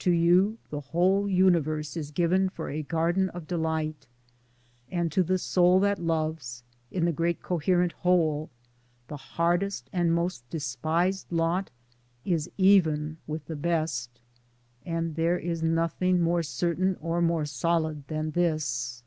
To you the whole universe is given for a garden of delight , and to the soul that loves, in the great coherent Whole, the 6 Towards Democracy hardest and most despised lot is even with the best ; and there is nothing more certain or more solid than this.